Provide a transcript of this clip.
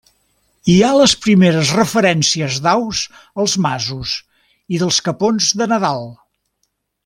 Hi ha les primeres referències d'aus als masos i dels capons de Nadal.